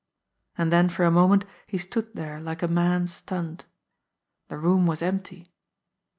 And then for a moment he stood there like a man stunned. The room was empty.